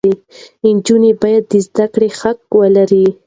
نجونې باید د زده کړې حق ولري.